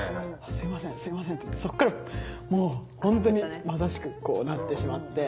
「すいませんすいません」って言ってそこからもう本当にまさしくこうなってしまって。